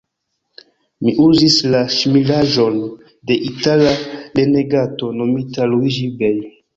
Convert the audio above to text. Mi uzis la ŝmiraĵon de Itala renegato, nomita Luiĝi-Bej'.